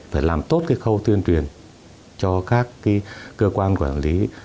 phải làm tốt cái khâu tuyên truyền cho các cơ quan quản lý